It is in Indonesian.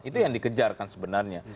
itu yang dikejarkan sebenarnya